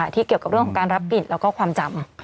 เกี่ยวกับเรื่องของการรับผิดแล้วก็ความจำ